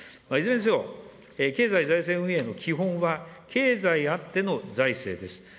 いずれにせよ、経済財政運営の基本は、経済あっての財政です。